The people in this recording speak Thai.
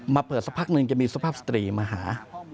มาเปิดสักพักหนึ่งจะมีสุภาพสตรีมาหา